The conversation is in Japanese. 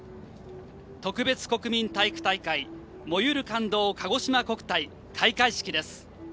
特別国民体育大会「燃ゆる感動かごしま国体」開会式です。